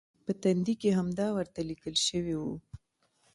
په تندي کې همدا ورته لیکل شوي و.